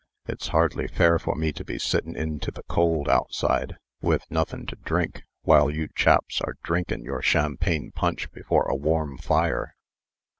It's hardly fair for me to be sittin' into the cold outside, with nothin' to drink, while you chaps are drinkin' your champagne punch before a warm fire."